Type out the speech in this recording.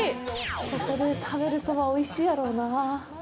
ここで食べるそばはおいしいやろうなぁ。